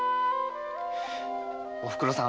〔おふくろさん。